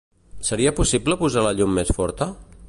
Seria possible posar la llum més forta?